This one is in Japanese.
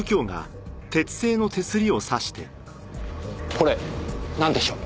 これなんでしょう。